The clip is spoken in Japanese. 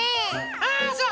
あそう？